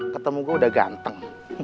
ketemu gue udah ganteng